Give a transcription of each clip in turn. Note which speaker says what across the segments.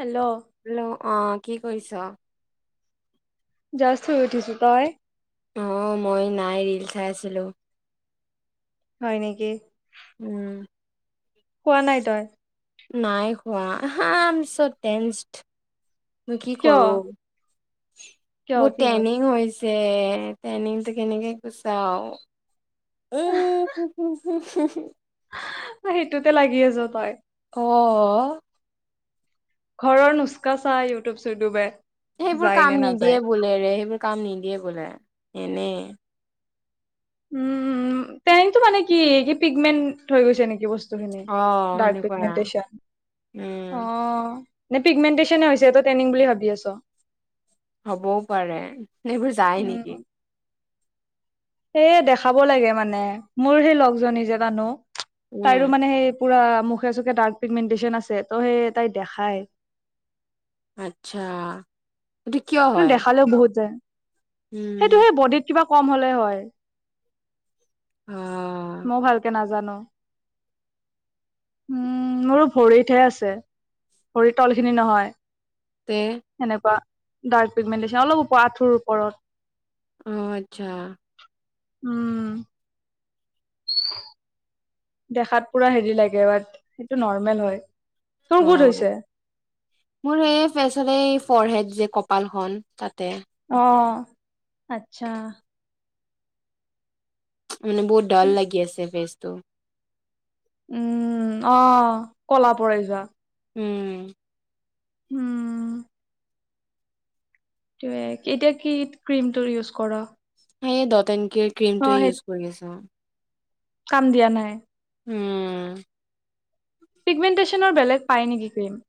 Speaker 1: Hello
Speaker 2: hello অ কি কৰিছ।
Speaker 1: জাষ্ট শুই উঠিছোঁ তই।
Speaker 2: অ মই নাই ৰীল চাই আছিলো।
Speaker 1: হয় নেকি।
Speaker 2: উম।
Speaker 1: হোৱা নাই তই।
Speaker 2: নাই হোৱাে [unintelligible] কি
Speaker 1: কিয়
Speaker 2: কৰো।
Speaker 1: কিয়
Speaker 2: বহুত
Speaker 1: কি হ'ল
Speaker 2: টেনিং হৈছে যে টেনিংটো কেনেকে কৈছে আৰু। উম হ হ।
Speaker 1: হা--সেইটোতে লাগি আছ তই।
Speaker 2: অ।
Speaker 1: ঘৰৰ নুচকা চা ইউটিউব চউটিউবে।
Speaker 2: সেইবোৰ কাম নিদিয়ে বোলেৰে, সেইবোৰ কাম নিদিয়ে বোলে। এনেই।
Speaker 1: উম তেনতটো মানে কি, সি পিগমেণ্ট হৈ গৈছে নেকি বস্তু [unintelligible]
Speaker 2: অ সেনেকুৱা উম
Speaker 1: নে পিগমেণ্টেচনে হৈছে, তই ট্ৰেইনিং বুলি ভাবি আছ?
Speaker 2: হ'বও পাৰে, এইবোৰ যায় নেকি
Speaker 1: এ দেখাব লাগে মানে, মোৰ সেই লগজনী যে ৰানু
Speaker 2: উম
Speaker 1: তাইৰো মানে সেই পুৰা মুখে-চুখে ডাৰ্ক পিগমেণ্টেচন আছে, ত' সেই তাই দেখাই।
Speaker 2: আচ্ছা এইটো কিয়
Speaker 1: [unintelligible]
Speaker 2: হয়?
Speaker 1: দেখালেও বহুত যায়। সেইটো
Speaker 2: উম
Speaker 1: সেই বডিত কিবা কম হ'লে হয়।
Speaker 2: অ
Speaker 1: মই ভালকে নাজানো। [inaudible] উম, মোৰো ভৰিতহে আছে, ভৰিৰ তল খিনি
Speaker 2: তে
Speaker 1: নহয়। এনেকুৱা। ডাৰ্ক পিগমেণ্টেচন, অলপ ওপৰত, আঁঠুৰ ওপৰত।
Speaker 2: অ' আচ্ছা
Speaker 1: উম দেখাত পুৰা হেৰি লাগে, বাত সেইটো নৰ্মেল হয়। তোৰ ক'ত
Speaker 2: অ',
Speaker 1: হৈছে
Speaker 2: মোৰ সেই [unintelligible] ফৰহেড যে কপালখন, তাত।
Speaker 1: অ' আচ্ছা
Speaker 2: মানে বহুত ডৰ লাগি আছে, বেচ তুম।
Speaker 1: উম, অ' ক'লা পৰি যোৱা।
Speaker 2: উম।
Speaker 1: উম তে, এতিয়া কি ক্ৰীমটো ইউজ কৰ?
Speaker 2: সেই দত এন কি ক্ৰীমটোৱে
Speaker 1: সেই
Speaker 2: ইউজ কৰি আছোঁ মই।
Speaker 1: কাম দিয়া নাই?
Speaker 2: উম
Speaker 1: পিগমেণ্টেশ্যনৰ বেলেগ পায় নেকি ক্ৰীম?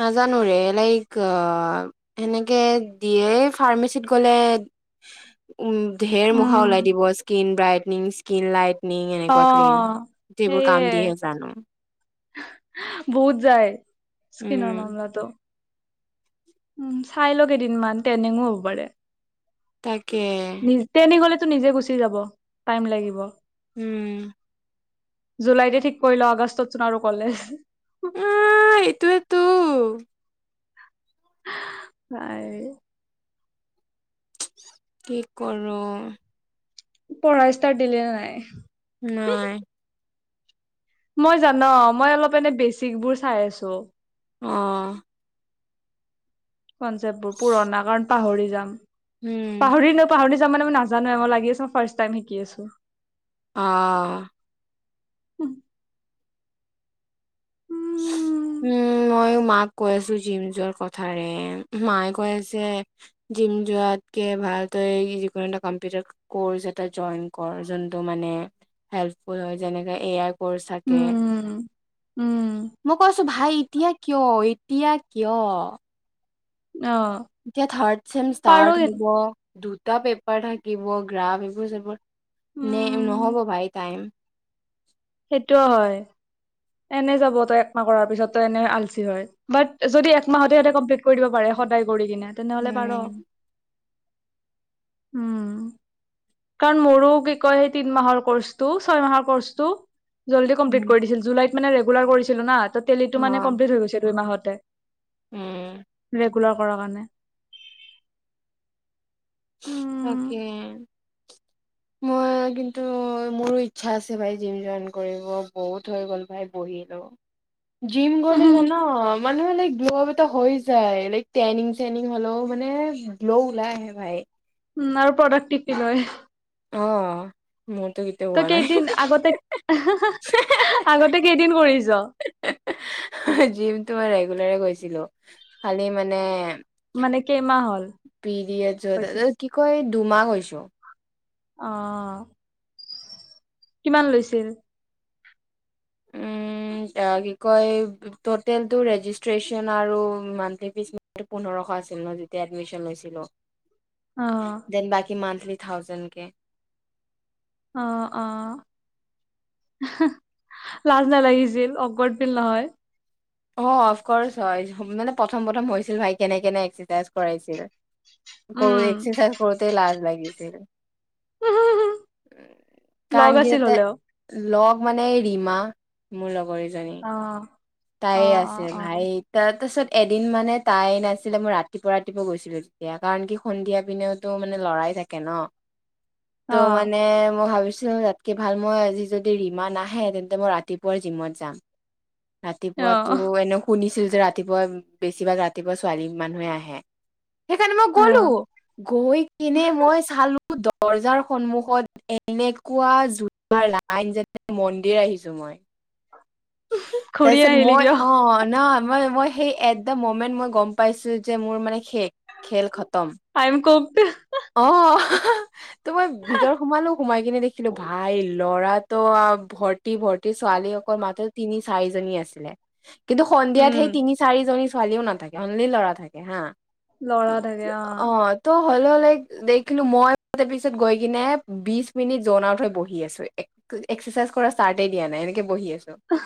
Speaker 2: নাজানো ৰে, লাইক সেনেকে দিয়ে ফাৰ্মাচীত গলে উ ঢেৰ মখা
Speaker 1: উম
Speaker 2: ওলাই দিব, স্কিন ব্ৰাইটনিং, স্ক কিন লাইট নিং
Speaker 1: অ
Speaker 2: এনেকুৱা ক্ৰীম, সেইবোৰ কাম
Speaker 1: সেয়ে
Speaker 2: দিয়ে জানো!
Speaker 1: বহুত যায়।
Speaker 2: উম
Speaker 1: স্কিনৰ মামলাটো। উম, চাই ল কেইদিনমান, তেনিংও হ'ব পাৰে।
Speaker 2: তাকে
Speaker 1: টো নিজে গুচি যাব, টাইম লাগিব।
Speaker 2: উম
Speaker 1: জুলাইতে ঠিক কৰি ল, আগষ্টতচোন আৰু কলেজ
Speaker 2: উম, এইটোৱেতো!
Speaker 1: হায়ৰে
Speaker 2: কি কৰোঁ!
Speaker 1: [unintelligible] ষ্টাৰ্ট দিলি নে নাই?
Speaker 2: নাই
Speaker 1: মই জান, বৰ্তমান মই অলপ এনে বেচিক বোৰ চাই আছো।
Speaker 2: অ'
Speaker 1: কনচেপ্টবোৰ, পুৰণা কাৰণ পাহৰি যাম।
Speaker 2: উম,
Speaker 1: পাহৰিলে পাহৰি যাম, মানে মই নাজানো মই লাগি আছোঁ মই ফাৰ্ষ্ট টাইম শিকি আছো।
Speaker 2: অ'
Speaker 1: [inaudible] উম
Speaker 2: উম, মইও মাক কৈ আছো জিম যোৱাৰ কথাৰে, মায়ে কৈ আছে জিম যোৱাতকে ভাল তই যিকোনো এটা কম্পিউটাৰ ক'ৰ্চ এটা জইন কৰ জোনটো মানে হেল্পফুল হয়, যেনেকে এ আই ক'ৰ্চ থাকে।
Speaker 1: উম উম
Speaker 2: মই কৈছো ভাই এতিয়া কিয়, এত তিয়া কিয়?
Speaker 1: অ
Speaker 2: এতিয়া থাৰ্ড চেম
Speaker 1: পাৰো
Speaker 2: ষ্টাৰ্ট হ'ব দুটা পেপাৰ থাকিব, গ্ৰাফ, এইবোৰ [unintelligible] নে
Speaker 1: উম
Speaker 2: নহ'ব ভাই টাইম।
Speaker 1: সেইটো হয়। এনে যাব তই একমাহ কৰাৰ পিছত, তই এনেও আলচি হয়। বাত, যদি একমাহতে সিহঁতে কমপ্লিট কৰি দিব পাৰে, সদায় কৰি কিনে তেনেহ'লে পাৰ।
Speaker 2: উম,
Speaker 1: উম কাৰণ মোৰো কি কয়, সেই তিন মাহৰ কৰ্চটো, ছয় মাহৰ কৰ্চটো জল্দি
Speaker 2: উম,
Speaker 1: কমপ্লিট কৰি দিছিল, জুলাইত মানে ৰেগুলাৰ কৰিছিলো না ত' তেলীটো মানে
Speaker 2: অ',
Speaker 1: কমপ্লিট হৈ গৈছে দুই মাহত। তে
Speaker 2: উম
Speaker 1: একো [unintelligible] নাই।
Speaker 2: তাকে। মোৰ কিন্তু, মোৰো ইচ্ছা আছে ভাই জিম জইন কৰিব বহুত হৈ গ'ল ভাই বহিলো। জিম গ'ল যানা
Speaker 1: উম
Speaker 2: মানে। গ্লো' এটা হৈ যায়। লাইক টেনিং চেনিং হলেও মানে গ্লো' ওলাই আহে ভাই।
Speaker 1: উম আৰু প্ৰডেক্ট কি কি লয়।
Speaker 2: অ। মোৰতো কেতিয়াও
Speaker 1: তই
Speaker 2: হোৱা নাই।
Speaker 1: কেইদিন আগতে, আগতে কেইদিন কৰিছ।
Speaker 2: জিমটো মই গৈছিলো খালি মানে।
Speaker 1: মানে কেইমাহ হ'ল হৈছে
Speaker 2: পিৰিয়াজ কি কয়। দুমাহ হৈছোঁ।
Speaker 1: অহ কিমান লৈছিল।
Speaker 2: কি কয় টোতেল টো ৰেজিষ্ট্ৰেশচন আৰু মান্থলি ফিজ পোন্ধৰশ আছিল, ন যেতিয়া এডমিশন লৈছিলোঁ।
Speaker 1: অ
Speaker 2: দেন বাকি মান। [unintelligible]
Speaker 1: অ অ লাজ নালাগিছিল, অফদ পিল নহয়।
Speaker 2: অ অফকৰ্চ হয় মানে, প্ৰথম প্ৰথম হৈছিল ভাই কেনে কেনে এক্সেৰচাইজ কৰাইছিল। কৰো
Speaker 1: উম
Speaker 2: এক্সাইজ কৰোতে লাজ লাগে। হৈছে।
Speaker 1: লগ
Speaker 2: কাৰগি
Speaker 1: আছিল
Speaker 2: এটা
Speaker 1: হলেও
Speaker 2: লগ। মানে ৰীমা মোৰ লগৰ এ।
Speaker 1: অহ।
Speaker 2: তাই আছে ভাই তাত। তাৰপাছত এদিন মানে তাই নাছিলে মই ৰাতিপুৱা ৰাতিপুৱা গৈছিলো, তেতিয়া কাৰণ কি সন্ধিয়া পিনেওতো মানে লৰাই থাকে ন। ত
Speaker 1: অ
Speaker 2: মানে মই ভাবিছ- ছো, তাতকে ভাল মই আজি যদি ৰিমা নাহে, তেন্তে মই ৰাতিপুৱাই জিমত যাম।
Speaker 1: অ
Speaker 2: ৰাতিপুৱাতো এনে শুনি- ছিল যে, ৰাতিপুৱা বেছিভাগ, ৰাতিপুৱা ছোৱালী মানুহে আহে। সেইকাৰণে মই
Speaker 1: অ
Speaker 2: গলোঁ। গৈ কিনে মই চালোঁ- [unintelligible] দৰ্জাৰ সন্মুখত এনেকুৱা জুতাৰ লাইন যেনে মন্দিৰ আহিছোঁ মই।
Speaker 1: ঘূৰি
Speaker 2: তাৰপিছত
Speaker 1: আহিলি
Speaker 2: মই,
Speaker 1: কিয়
Speaker 2: অহ না- মই মই, সেই এট দ্য মমেন্ট মই গম পাইছোঁ যে মোৰ মানে- শেষ। খেল খতম।
Speaker 1: আই এম কুকড
Speaker 2: অহ হ হ। হ হ। তো মই ভিতৰত সোমালোঁ। সোমাই কিনে দেখিলোঁ, ভাই ল'ৰা- তো ভৰ্তি ভৰ্তি ছোৱালী অকল মাতে- তিনি চাৰিজনী আছিলে। কিন্তু সন্ধিয়াত
Speaker 1: উম
Speaker 2: সেই তিনি চাৰিজনী- ছোৱালীও নাথাকে। অনলি ল'ৰা থাকে। হা।
Speaker 1: ল'ৰা থাকে, অহ।
Speaker 2: অ ত হ'লেও লাইক দেখিলোঁ মই [unintelligible] পিছত গৈ কিনে বিচ মিনিট জ'ন আউট হৈ বহি আছোঁ। এক এক্সাৰচাইজ কৰা ষ্টাৰ্টেই দিয়া নাই, এনেকে বহি আছোঁ।
Speaker 1: আহ!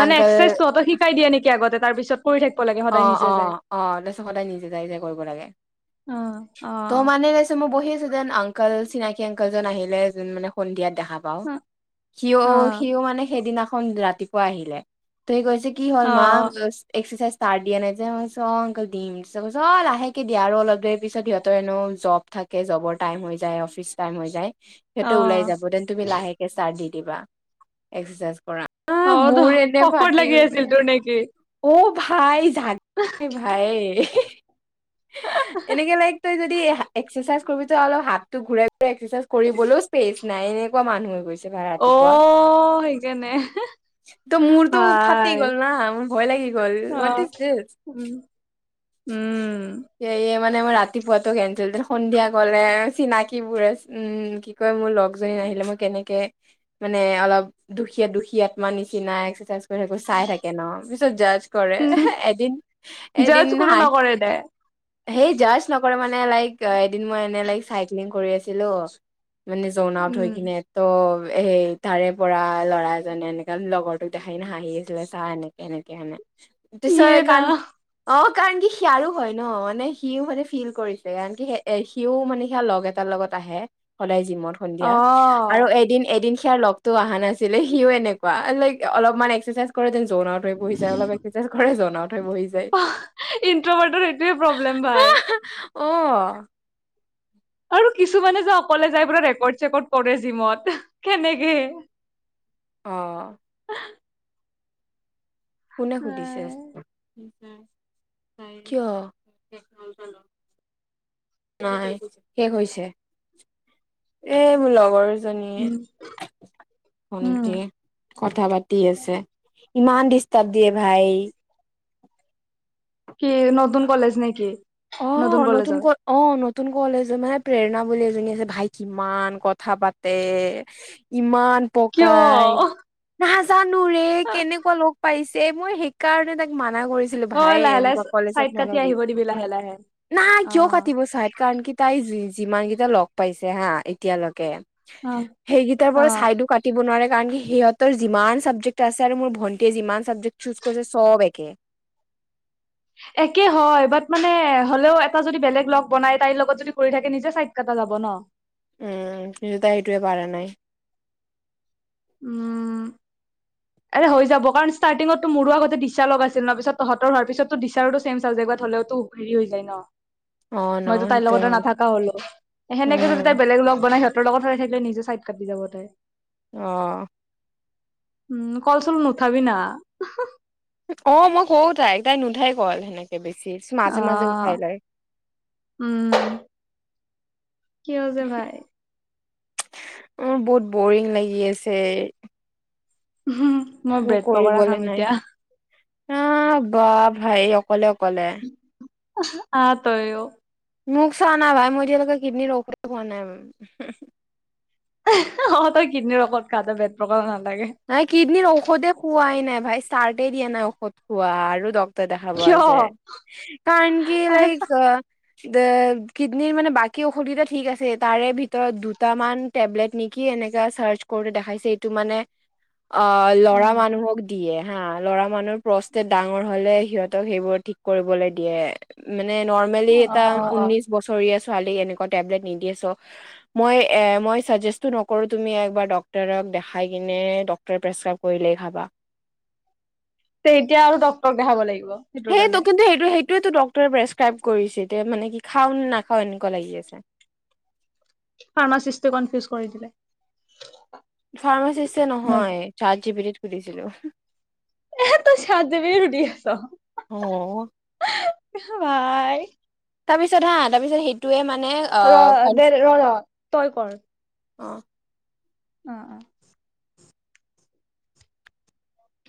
Speaker 1: মানে এক্সাৰচাইজ তহঁতক শিকাই দিয়ে নেকি আগতে তাৰ পিছত কৰি থাক-
Speaker 2: অহ অহ, অহ, তাৰ পিছত সদায় নিজে যাই যাই কৰিব লাগে।
Speaker 1: অ অ
Speaker 2: ত' মানে চ মই বহি- যে যেন আংকল, চিনাকি আংকল যোন আহিলে, যোন মানে সন্ধিয়াত- দেখা পাওঁ। সিওঁ,
Speaker 1: অ
Speaker 2: সিওঁ মানে সেইদিনা- খন ৰাতিপুৱা আহিলে। ত সি কৈছ- যে কি হ'ল
Speaker 1: অ
Speaker 2: ম? এক্সাৰচাইজ- ষ্ট্ৰাৰ্ট দিয়া নাই যে? অ চ, অ আংকল দিম। চ কৈছোঁ, অ লাহেকে দিয়া, আৰু অলপ দেৰি পিছত সিহঁতৰ এনেও জব্‌ থাকে। জব্‌ৰ টাইম হৈ যায়, অফিচ টাইম হৈ যায়। সিহঁতে
Speaker 1: অ
Speaker 2: ওলাই যাব, দেন তুমি লাহেকে ষ্ট্ৰাৰ্ট দি- দিবা এক্সাৰচাইজ কৰা। আহ
Speaker 1: অহ ত',
Speaker 2: মোৰ এনে
Speaker 1: অকৱাৰ্ড
Speaker 2: ফাটি
Speaker 1: লাগি
Speaker 2: গৈছে
Speaker 1: আছিল তোৰ নেকি?
Speaker 2: অ ভাই- থাকে ভাই, হি হি। এনেকে লাইক তই য- দি হা, এক্সাৰচাইজ কৰিবিটো অলপ হাতটো ঘূৰাই ঘূৰাই এক্সাৰচাইজ কৰিবলৈও স্পেচ নাই। এনেকুৱা মানুহে গৈছে। তি ভা,
Speaker 1: অ
Speaker 2: ৰাতিপুৱা।
Speaker 1: সেইকাৰণে
Speaker 2: ত' মোৰতো ফাটি গ'ল না। মোৰ ভয় লাগি গ'ল। What
Speaker 1: oh,
Speaker 2: is this
Speaker 1: um, um.
Speaker 2: এ মানে মোৰ ৰাতিপুৱটো কেনচেল দে। সন্ধিয়া গ'লে, চিনাকিবোৰে চি, উম। কি কয়, মোৰ লগজনী আহিলে মই কেনেকে, মানে অলপ দুখী দুখী আত্মা নিচিনা এক্সাৰচাইজ- তো চাই থাকে ন পিছত য কৰে
Speaker 1: উম,
Speaker 2: এদিন এদিন
Speaker 1: জাজ কোনো
Speaker 2: নাই,
Speaker 1: নকৰে দে।
Speaker 2: সেই জাষ্ট নকৰে মানে লাইক এদিন মই এনেই লাইক চাইক্লিং কৰি আছিলো। মানে জন আউট হৈ
Speaker 1: উম।
Speaker 2: কিনে তো সেই তাৰে পৰা ল'ৰা এজনে এনেককা লগৰটোক দেখাই হাঁহি আছিলে, চাহ এেনেকে এনেকে সেনে দিছ
Speaker 1: ইয়ে
Speaker 2: কাৰণ
Speaker 1: ৰাম।
Speaker 2: অ কাৰণ কি সিয়াৰো হয় ন মানে সিও মানে ফিল কৰিছে কাৰন কি সিও মানে সিয় লগ এটাৰ লগত আহে সদায় জিমত সন্ধিয়া আৰু
Speaker 1: অ',
Speaker 2: এদিন-এদিন লগতো অহা নাছিলে সিও এনেকুৱা লাইক অলপমান এক্সাৰচাইজ কৰে, জনাটো বহি যায় অলপ [inaudible] যায়
Speaker 1: অ ইনট্ৰভাৰ্টৰ এইটোৱে প্ৰব্লেম ভাই,
Speaker 2: অ
Speaker 1: আৰু কিছুমানে যে অকলে যাই পুৰা ৰেকৰ্ড চেকৰ্ড কৰে জিমত কেনেকে,
Speaker 2: অ, '
Speaker 1: [unintelligible]
Speaker 2: কোনে সুধিছে।
Speaker 1: উম,
Speaker 2: কিয়। নাই শেষ হৈছে। এ মোৰ লগৰ জনীয়ে
Speaker 1: উম,
Speaker 2: শকি কথা পাতি আছে। ইমান ডিষ্টাৰ্ব দিয়ে ভাই।
Speaker 1: কি নতুন কলেজ নাই কি।
Speaker 2: অ,
Speaker 1: নতুন কলেজৰ?
Speaker 2: নতুনকৈ অ ন নতুন কলে যে মানে প্ৰেৰণা বুলি এজনী আছে। ভাই কিমান কথা পাতে ইমান
Speaker 1: কিয়?
Speaker 2: পকাই
Speaker 1: অ',
Speaker 2: [inaudible] নুৰে কেনেকুৱা লগ পাইছ স মোৰ শিক কাৰণে তাক মাত না কৰিছিলো ভায়ে
Speaker 1: লাহে লাহে
Speaker 2: এনেকুৱা কলেজত
Speaker 1: চাইড কাটি
Speaker 2: নলোবি
Speaker 1: আহিব দিবি লাহে লাহে।
Speaker 2: নাই কিয় কাটিব
Speaker 1: অ'।
Speaker 2: চাইট কাৰণ কি তাই যি, যিমান কেইটা লগ পাইছে হা এতিয়ালৈকে
Speaker 1: অ',
Speaker 2: সেইকেইটাৰ পৰা
Speaker 1: অ'।
Speaker 2: ছাইদো কাটিব নোৱাৰে। কাৰণ সিহঁতৰ যিমান চাবজেক্ট আছে আৰু মোৰ ভন্টীয়ে যিমান চাবজেক্ট চুজ কৰিছে চব একে।
Speaker 1: একে হয়, বাট মানে হ'লেও এটা যদি বেলেগ লগ বনাই তাইৰ লগত যদি কৰি থাকে নিজে চাইড কটা যাব ন।
Speaker 2: উম কিন্ত তাই সেইটোৱে পাৰা নাই।
Speaker 1: উম। আৰে হৈ যাব কাৰণ ষ্টাৰ্টিঙত তো মোৰো আগতে দিছা লগাইছিল ন, পিছত তহঁতৰো হয় পিছতো দিচাৰো ছেম চাবজেকত হলেতো হেৰি হৈ যায় ন।
Speaker 2: অ', ন
Speaker 1: মইতো তাইৰ
Speaker 2: সেইটো
Speaker 1: লগতে
Speaker 2: হয়
Speaker 1: নাথাকা হ'লো, সেনেকে যদি
Speaker 2: উম
Speaker 1: তাই বেলেগ লগ বনাই সিহ [unintelligible] থাকিলে নিজে চাইট কাটি যাব তাই।
Speaker 2: অ।
Speaker 1: উম কলচল নুথাবি না, উমহো।
Speaker 2: অ মই কলো তাইক, তাই নু নুঠাই ক'ল। বেছি,
Speaker 1: অ
Speaker 2: মাজে মাজে উঠাই লয়।
Speaker 1: উম কিয় যে ভাই।
Speaker 2: উম, বহুত বৰিং লাগি আছে।
Speaker 1: মই
Speaker 2: একো
Speaker 1: ব্ৰেড পকৰা
Speaker 2: কৰিবলৈ
Speaker 1: খাম
Speaker 2: নাই,
Speaker 1: এতিয়া
Speaker 2: আহ বা ভাই অ অলক। কলে।
Speaker 1: আ-হা, আহ তইও।
Speaker 2: মোক চা না ভাই মই এতিয়ালৈকে কিডনৰ ঔষধে নাই মই, উম-হ।
Speaker 1: আহ-হা অ, তই কিডনিৰ ঔষধ খাই তই বেডপক [inaudible]
Speaker 2: নাই কিডনীৰ ঔষধে পোৱাই নাই। ভাই চাৰ্টে দিয়া নাই ঔষধ খোৱা আৰু ডক দেখা পোৱা
Speaker 1: কিয় অ
Speaker 2: যায় [unintelligible] দে, কিডনীৰ মানে বাকী ঔষুধা ঠিক আছে তাৰে ভিতৰত দুটামান টেবলেট নেকি এনেকা চাৰ্চ কৰোতে দেখাইছে এইটো মানে অ' ল'ৰা মানুহক দিয়ে। হা ল'ৰা মানুহৰ প্ৰস্ত ডাঙৰ হলে সিহতক সেইবোৰ ঠিক কৰিবলৈ দিয়ে। নে নৰ্মেলি এটা ঊনিশ বছৰীয়া [unintelligible] এনেকুৱা টেবলেট নিদিয়ে চো, মই এ মই চাগেষ্টটো নকৰোঁ, তুমি একবাৰ ডক্টোৰক দেখাই কিনে ডক্টৰে প্ৰেছক্ৰাইব কৰিলেই খাবা।
Speaker 1: তেতিয়া আৰু ডক্তৰক দেখাব লাগি
Speaker 2: সেইটো কিন্তু সেইটো সেই। এইটোৱেই তো ডক্তৰে প্ৰেছক্ৰাইব কৰিছে, এতিয়া মানে কি খাও নে নাখাও এনেকুৱা লাগি আছে।
Speaker 1: ফাৰ্মাচিষ্ট কনফিউজ কৰি দিলে।
Speaker 2: ফাৰ্মাচিষ্ট নহয়, চাৰ্চ গিপিতিত সুধিছিলো।
Speaker 1: এ তই চাত গিপিতিত সুধি আছ।
Speaker 2: অ'।
Speaker 1: আহ বাই।
Speaker 2: তাৰপিছ হা, তাৰ পিছত সেইটোে মানে অ' কন
Speaker 1: [unintelligible] তই কৰ।
Speaker 2: অ।
Speaker 1: অঁ অঁ